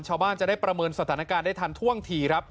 ชาวบ้านจะได้ประเมินสถานการณ์ได้ทันท่วงทีครับ